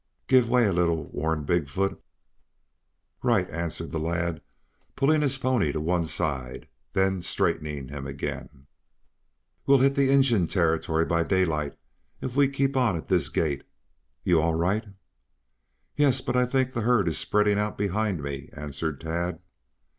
"Give way a little!" warned Big foot. "Right!" answered the lad, pulling his pony to one side, then straightening him again. "We'll hit the Injun Territory by daylight if we keep on at this gait! You all right?" "Yes. But I think the herd is spreading out behind me," answered Tad.